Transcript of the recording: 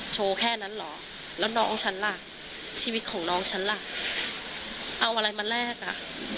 แค่นั้นเหรอแล้วน้องฉันล่ะชีวิตของน้องฉันล่ะเอาอะไรมาแลกอ่ะ